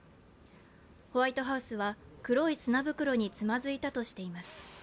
ホワイトハウスは黒い砂袋につまずいたとしています。